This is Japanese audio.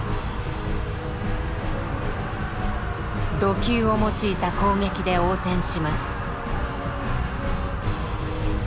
弩弓を用いた攻撃で応戦します。